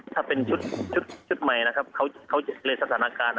ถ้าเป็นชุดใหม่นะครับเขาเลยสถานการณ์